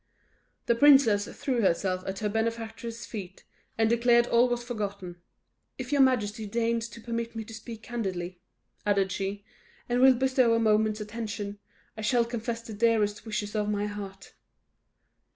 The princess threw herself at her benefactress' feet, and declared all was forgotten. "If your majesty deigns to permit me to speak candidly," added she, "and will bestow a moment's attention, I shall confess the dearest wishes of my heart!"